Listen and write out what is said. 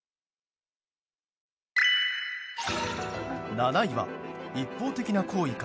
７位は、一方的な好意か。